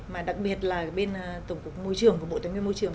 mà đặc biệt là bên tổng cục môi trường và bộ tài nguyên môi trường